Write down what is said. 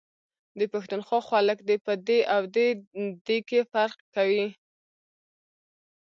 د پښتونخوا خلک دی ، په دي او دی.دے کي فرق کوي ،